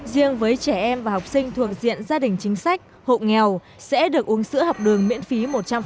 riêng với trẻ em và học sinh thuộc diện gia đình chính sách hộ nghèo sẽ được uống sữa học đường miễn phí một trăm linh